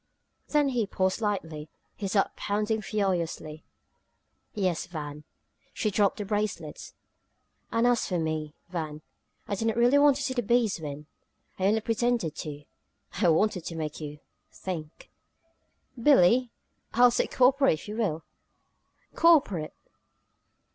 Then he paused slightly, his heart pounding furiously. "Yes Van." She dropped the bracelets. "And as for me Van, I didn't really want to see the bees win! I only pretended to I wanted to make you think!" "Billie! I'll say 'cooperate' if you will!" "Cooperate!"